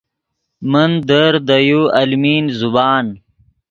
من در دے یو المین زبان